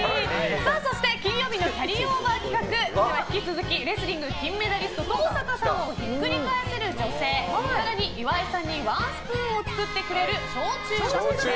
そして、金曜日のキャリーオーバー企画引き続きレスリング金メダリスト登坂さんをひっくり返せる女性更に岩井さんにワンスプーンを作ってくれる小中学生。